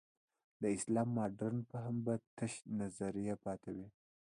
د اسلام مډرن فهم به تشه نظریه پاتې وي.